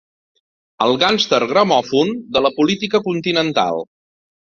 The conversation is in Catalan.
El gàngster-gramòfon de la política continental